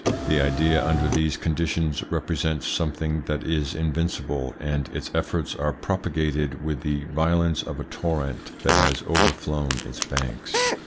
The idea under these con ditions represents something that is invincible, and its efforts are propagated with the violence of a torrent that has overflown its banks.